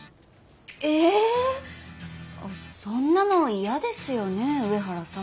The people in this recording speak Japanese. そんなの嫌ですよねえ上原さん。